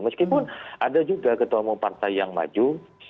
meskipun ada juga ketua umum partai yang maju